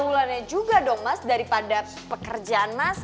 keunggulannya juga dong mas daripada pekerjaan mas